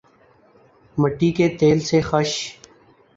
مٹی کے تیل سے خش